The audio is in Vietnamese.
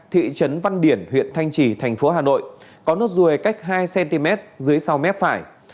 thị trấn văn điển huyện thanh trì thành phố hà nội có nốt ruồi cách hai cm dưới sau mép phải